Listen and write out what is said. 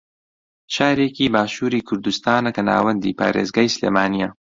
شارێکی باشووری کوردستانە کە ناوەندی پارێزگای سلێمانییە